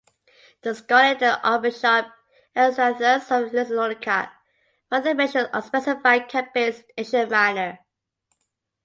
The scholar and archbishop Eustathius of Thessalonica further mentions unspecified campaigns in Asia Minor.